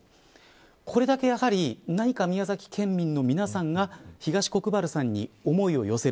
これだけ何か宮崎県民の皆さんが東国原さんに思いを寄せる。